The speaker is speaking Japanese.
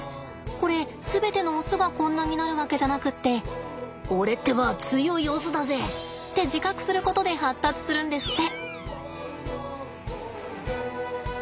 これ全てのオスがこんなになるわけじゃなくって俺ってば強いオスだぜ！って自覚することで発達するんですって。